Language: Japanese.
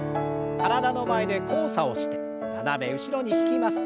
体の前で交差をして斜め後ろに引きます。